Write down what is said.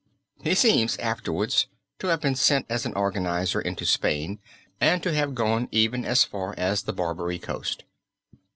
He seems afterwards to have been sent as an organizer into Spain and to have gone even as far as the Barbary coast.